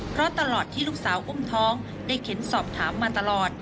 เพราะตลอดที่ลูกสาวอุ้มท้องได้เข็นสอบถามมาตลอด